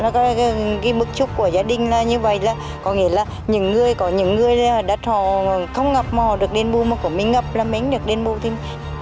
cái bức chúc của gia đình là như vậy là có nghĩa là những người có những người đất họ không ngập mà họ được đền bù mà của mình ngập là mình được đền bù thêm